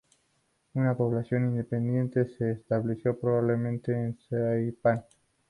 Una población incipiente se estableció probablemente en Saipán.